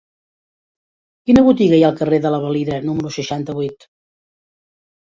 Quina botiga hi ha al carrer de la Valira número seixanta-vuit?